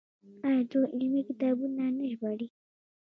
آیا دوی علمي کتابونه نه ژباړي؟